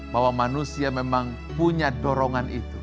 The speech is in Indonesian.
bahwa manusia memang punya dorongan itu